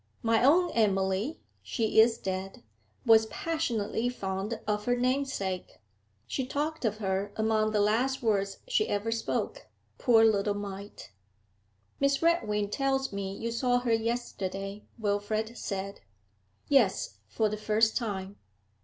My own Emily she is dead was passionately fond of her namesake; she talked of her among the last words she ever spoke, poor little mite.' 'Miss Redwing tells me you saw her yesterday,' Wilfrid said. 'Yes, for the first time.'